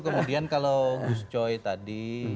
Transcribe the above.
kemudian kalau gus coy tadi